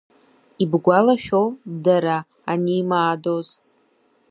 Ибгәалашәо, дара анеимаадоз?